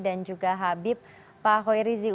dan juga habib pak hoi rizie